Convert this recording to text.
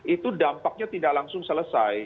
itu dampaknya tidak langsung selesai